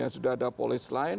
sudah ada polis lain